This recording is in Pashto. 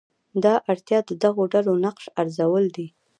دا اړتیا د دغو ډلو نقش ارزول دي.